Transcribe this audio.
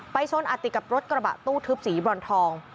ชนอัดติดกับรถกระบะตู้ทึบสีบรอนทอง